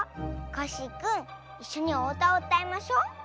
コッシーくんいっしょにおうたをうたいましょ。